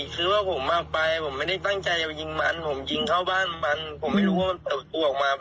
คุณไม่ได้ตั้งใจจะยิงมันอยู่แล้วใช่ไหม